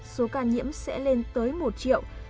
số ca nhiễm sẽ lên tới một triệu